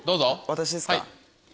私ですか？